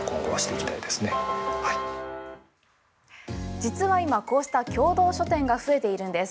実は今こうした共同書店が増えているんです。